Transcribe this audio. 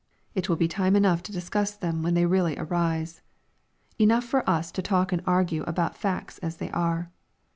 It will be time enough, to discuss them when they really arise. Enough for us to talk and argue about facts as they are.